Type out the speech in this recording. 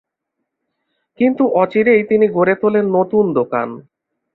কিন্তু অচিরেই তিনি গড়ে তোলেন নতুন দোকান।